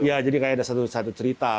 iya jadi kayak ada satu satu cerita